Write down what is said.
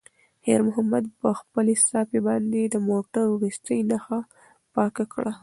خیر محمد په خپلې صافې باندې د موټر وروستۍ نښه پاکه کړه.